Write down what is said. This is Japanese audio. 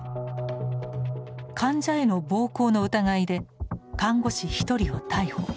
患者への暴行の疑いで看護師１人を逮捕。